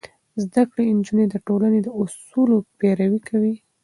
زده کړې نجونې د ټولنې د اصولو پيروي کوي.